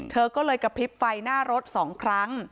เธอก็เลยกระพริบไฟหน้ารถ๒ครั้ง